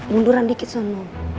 munduran dikit sono